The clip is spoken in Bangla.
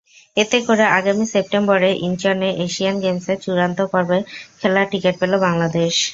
এতে করে আগামী সেপ্টেম্বরে ইনচনে এশিয়ান গেমসের চূড়ান্ত পর্বে খেলার টিকিট পেল বাংলাদশ।